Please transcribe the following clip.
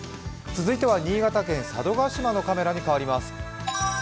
続いては新潟県佐渡島のカメラに変わります。